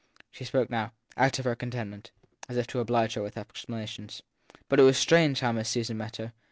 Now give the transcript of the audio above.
She spoke now ou t of her contentment as if to oblige with explana tions. But it was strange how Miss Susan met her.